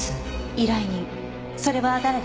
依頼人それは誰ですか？